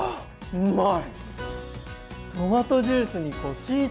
うまい！